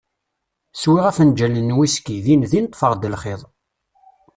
Swiɣ afenǧal n wiski, din din ṭfeɣ-d lxiḍ.